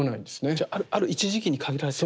じゃあある一時期に限られてる。